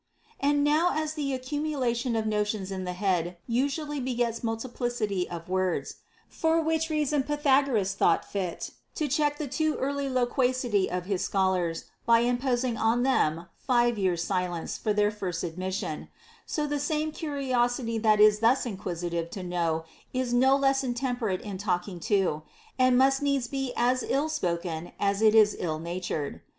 9. And now as the accumulation of notions in the head usually begets multiplicity of words, — for which reason Pythagoras thought fit to check the too early loquacity of his scholars, by imposing on them five years' silence from their first admission, — so the same curiosity that is thus inquisitive to know is no less intemperate in talking too, and must needs be as ill spoken as it is ill natured.